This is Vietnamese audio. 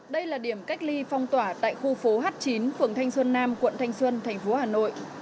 đây là điểm cách ly phong tỏa tại khu phố h chín phường thanh xuân nam quận thanh xuân thành phố hà nội